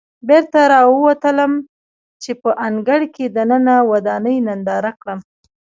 بېرته راووتلم چې په انګړ کې دننه ودانۍ ننداره کړم.